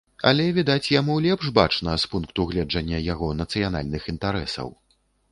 Але, відаць, яму лепш бачна з пункту гледжання яго нацыянальных інтарэсаў.